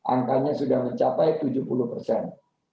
angkanya sudah mencapai tujuh puluh persen